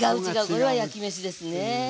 これは焼きめしですね。